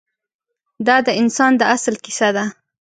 دا د انسان د اصل کیسه ده.